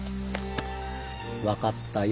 分かったよ。